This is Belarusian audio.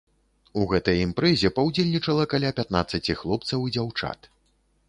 У гэтай імпрэзе паўдзельнічала каля пятнаццаці хлопцаў і дзяўчат.